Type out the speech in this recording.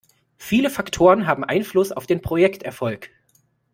Viele Faktoren haben Einfluss auf den Projekterfolg.